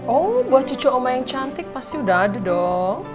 oh buah cucu omba yang cantik pasti udah ada dong